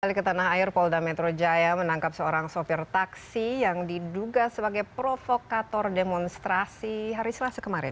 balik ke tanah air polda metro jaya menangkap seorang sopir taksi yang diduga sebagai provokator demonstrasi hari selasa kemarin